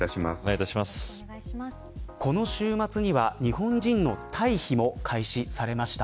この週末には日本人の退避も開始されました。